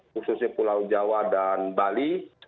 khususnya pulau jawa dan bali